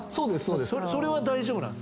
それは大丈夫なんですか？